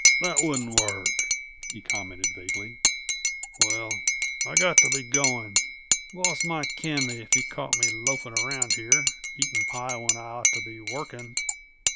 "That wouldn't work," he commented vaguely. "Well, I've got to be going. Boss might can me if he caught me loafing around here, eating pie when I ought to be working.